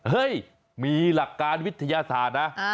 เฮ้ยมีหลักการวิทยาศาสตร์นะ